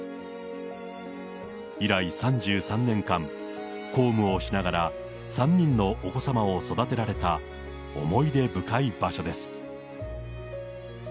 以来３３年間、公務をしながら３人のお子様を育てられた思い出深い場所です。